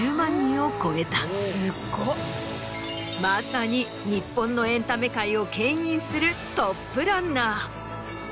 まさに日本のエンタメ界をけん引するトップランナー。